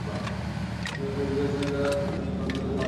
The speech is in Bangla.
তবু ফেসবুকে এতসব দেখে সাহস করে তিনি ফোন করেছিলেন মাসরুফের নম্বরে।